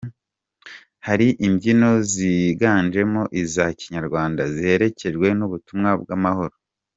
Hari imbyino ziganjemo iza kinyarwanda ziherekejwe n'ubutumwa bw'amahoro.